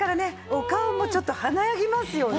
お顔もちょっと華やぎますよね。